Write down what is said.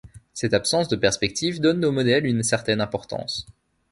Cette absence de perspective donne au modèle une certaine importance.